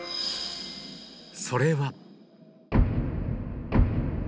それは。